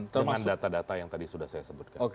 dengan data data yang tadi sudah saya sebutkan